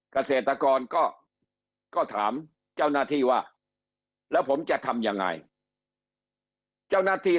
เกษตรกรก็ถามเจ้าหน้าที่ว่าแล้วผมจะทำยังไงเจ้าหน้าที่